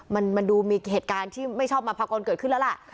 มันดูมีเหตุการณ์ที่ไม่ชอบมาพากลเกิดขึ้นแล้วล่ะ